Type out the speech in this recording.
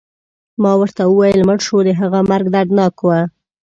ما ورته وویل: مړ شو، د هغه مرګ دردناک و.